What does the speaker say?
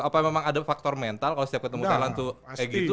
apa memang ada faktor mental kalau setiap ketemu thailand tuh kayak gitu